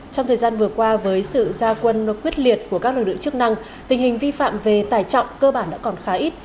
trong thời gian vừa qua với sự gia quân quyết liệt của các lực lượng chức năng tình hình vi phạm về tài trọng cơ bản đã còn khá ít